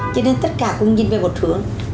cho nên tất cả cũng nhìn về một hướng